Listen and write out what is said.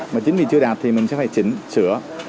mà chính vì chưa đạt thì mình sẽ phải chỉnh sửa